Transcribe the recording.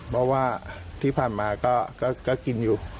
เพราะว่าที่ผ่านมาก็กินอยู่